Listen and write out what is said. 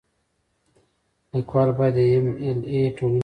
لیکوال باید د ایم ایل اې ټولنې غړی وي.